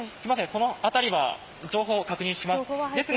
その辺りは情報を確認します。